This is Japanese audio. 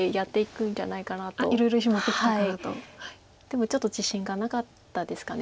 でもちょっと自信がなかったですか。